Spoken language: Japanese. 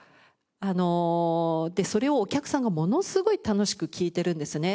あのそれをお客さんがものすごい楽しく聴いてるんですね。